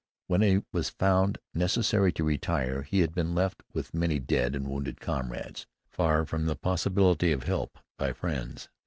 When it was found necessary to retire, he had been left with many dead and wounded comrades, far from the possibility of help by friends.